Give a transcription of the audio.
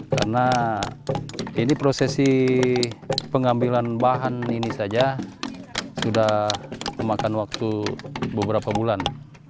karena ini prosesi pengambilan bahan ini saja sudah memakan waktu beberapa bulan